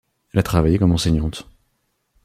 Elle a travaillé comme enseignante.